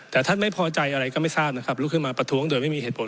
แต่ท่านไม่พอใจอะไรก็ไม่ทราบนะครับลุกขึ้นมาประท้วงโดยไม่มีเหตุผล